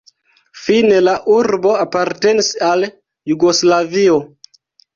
Fine la urbo apartenis al Jugoslavio.